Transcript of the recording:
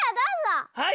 はい！